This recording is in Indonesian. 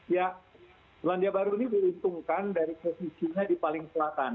ya selandia baru ini diuntungkan dari posisinya di paling selatan